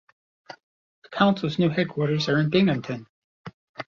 The council's new headquarters are in Binghamton.